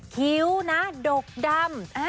คิ้วนะดกดำ